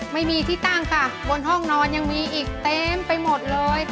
ไม่มีที่ตั้งค่ะบนห้องนอนยังมีอีกเต็มไปหมดเลย